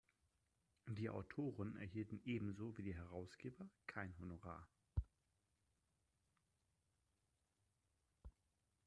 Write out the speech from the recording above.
Die Autoren erhielten ebenso wie die Herausgeber kein Honorar.